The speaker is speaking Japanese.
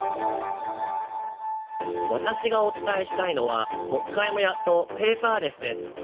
私がお伝えしたいのは国会もやっとペーパーレスです。